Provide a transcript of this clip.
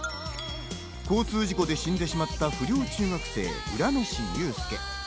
交通事故で死んでしまった不良中学生・浦飯幽助。